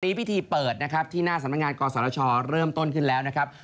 พิธีเปิดนะครับที่หน้าสำนักงานกศชเริ่มต้นขึ้นแล้วนะครับ